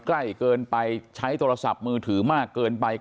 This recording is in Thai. ใกล้เกินไปใช้โทรศัพท์มือถือมากเกินไป